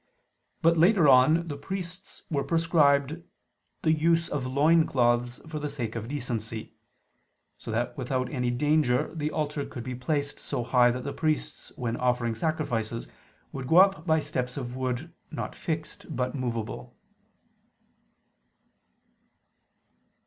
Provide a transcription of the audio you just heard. But later on the priests were prescribed the use of loin cloths for the sake of decency: so that without any danger the altar could be placed so high that the priests when offering sacrifices would go up by steps of wood, not fixed but movable.